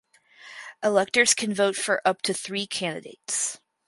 Electors can vote for up to three candidates.